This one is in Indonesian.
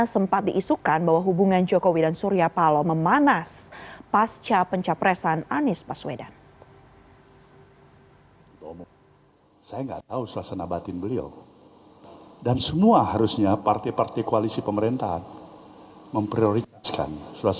sempat diisukan bahwa hubungan jokowi dan surya paloh memanas pasca pencapresan anies baswedan